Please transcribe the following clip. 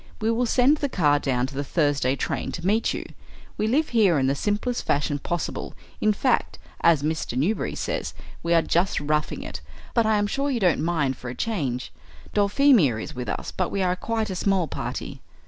We will send the car down to the Thursday train to meet you. We live here in the simplest fashion possible; in fact, as Mr. Newberry says, we are just roughing it, but I am sure you don't mind for a change. Dulphemia is with us, but we are quite a small party."